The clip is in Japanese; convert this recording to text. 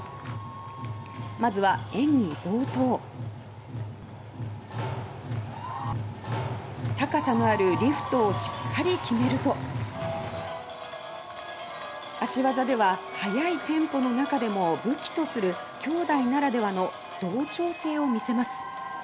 まずは、演技冒頭高さのあるリフトをしっかりと決めると足技では速いテンポの中でも武器とする姉弟ならではの同調性を見せます。